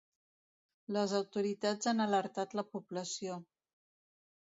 Les autoritats han alertat la població.